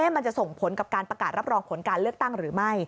มันจะส่งผลกับการประกาศรับรองผลการเลือกตั้งหรือไม่